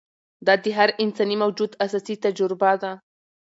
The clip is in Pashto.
دا د هر انساني موجود اساسي تجربه ده.